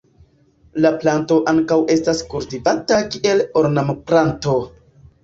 La planto ankaŭ estas kultivata kiel ornamplanto.